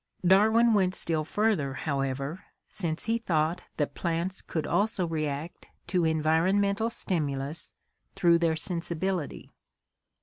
Darwin went still fur ther, however, since he thought that plants could also react to environmental stimulus through their sensibility.